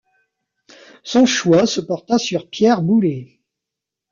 Son choix se porta sur Pierre Boulez.